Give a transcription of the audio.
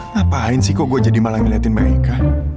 ngapain sih kok gue jadi malah ngeliatin mereka